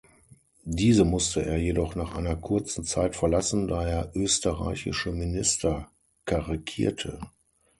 Diese musste er jedoch nach einer kurzen Zeit verlassen, da er österreichische Minister karikierte.